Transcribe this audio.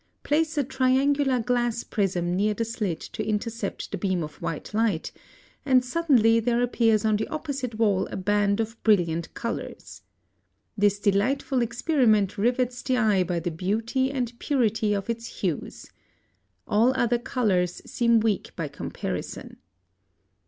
Place a triangular glass prism near the slit to intercept the beam of white light, and suddenly there appears on the opposite wall a band of brilliant colors. This delightful experiment rivets the eye by the beauty and purity of its hues. All other colors seem weak by comparison.